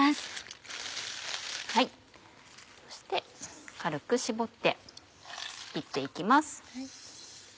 そして軽く絞って切って行きます。